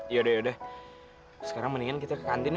ya udah yaudah sekarang mendingan kita ke kantin ya